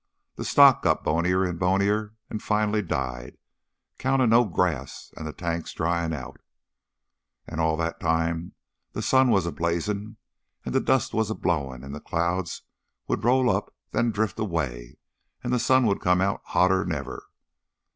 The stock got bonier and bonier and finally died, 'count of no grass and the tanks dryin' out. And all the time the sun was a blazin' and the dust was a blowin and the clouds would roll up and then drift away and the sun would come out hotter 'n ever.